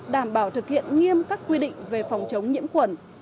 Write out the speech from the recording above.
đảm bảo thực hiện nghiêm các quy định về phòng chống nhiễm khuẩn